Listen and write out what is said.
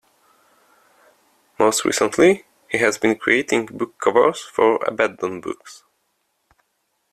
Most recently he has been creating book covers for Abaddon Books.